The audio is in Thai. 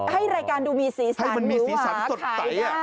ให้รายการดูมีสีสันหรือว่าขายได้